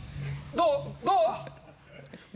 どう？